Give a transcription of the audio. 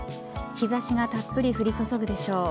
日差しがたっぷり降り注ぐでしょう。